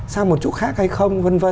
sang một chỗ khác hay không v v